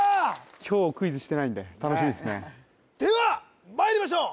今日クイズしてないんで楽しみっすねではまいりましょう